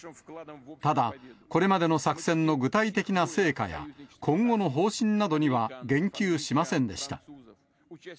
ただ、これまでの作戦の具体的な成果や、今後の方針などには言及しませんでした。